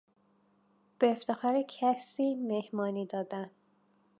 به افتخار کسی مهمانی دادن